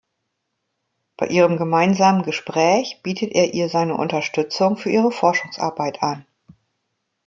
Bei ihrem gemeinsamen Gespräch bietet er ihr seine Unterstützung für ihre Forschungsarbeit an.